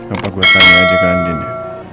apa gua tanya aja ke andin ya